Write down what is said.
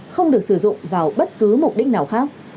không được sử dụng vào bất cứ mục đích nào khác